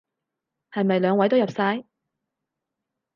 係咪兩位都入晒？